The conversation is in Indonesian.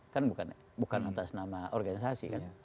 kan bukan atas nama organisasi kan